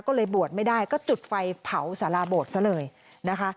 ก็เลยบวชไม่ได้ก็จุดไฟเผาสาราโบสถซะเลยนะคะ